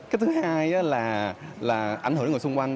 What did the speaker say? cái thứ hai là ảnh hưởng đến người xung quanh